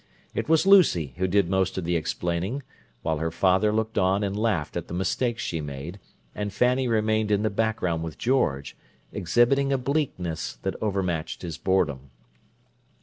It was Lucy who did most of the explaining, while her father looked on and laughed at the mistakes she made, and Fanny remained in the background with George, exhibiting a bleakness that overmatched his boredom.